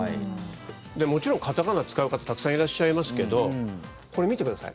もちろん片仮名を使う方たくさんいらっしゃいますけどこれ、見てください。